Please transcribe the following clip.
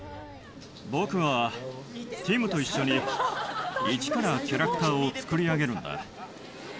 僕はティムと一緒に、一からキャラクターを作り上げるんだ。